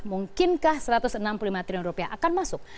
mungkinkah satu ratus enam puluh lima triliun rupiah akan masuk